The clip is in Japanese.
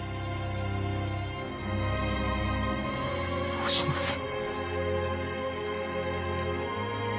おしのさん。